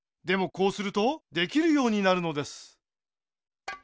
こうするとできるようになるのです。